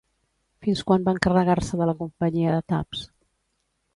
Fins quan va encarregar-se de la companyia de taps?